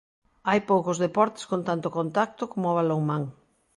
Hai poucos deportes con tanto contacto como o balonmán.